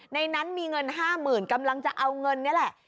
ในนั้นมีเงิน๕๐๐๐กำลังจะเอาเงินนี่แหละ